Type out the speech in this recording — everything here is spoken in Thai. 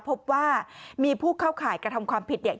พบว่ามีผู้เข้าข่ายกระทำความผิดเนี่ย